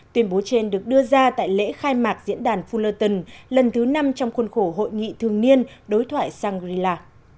tuyên bố trên được đưa ra tại lễ khai mạc diễn đàn fullerton lần thứ năm trong khuôn khổ hội nghị thường niên đối thoại shangri la